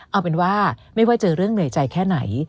เอาเป็นว่าไม่ว่าเจอเรื่องเหนื่อยใจแค่ไหน